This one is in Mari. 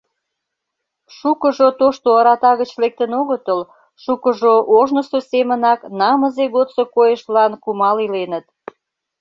Шукыжо тошто ората гыч лектын огытыл, шукыжо ожнысо семынак намызе годсо койышлан кумал иленыт.